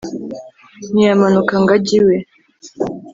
ntiyamanuka ngo ajye iwe.